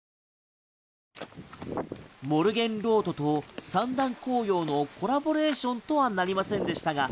モルゲンロートと三段紅葉のコラボレーションとはなりませんでしたが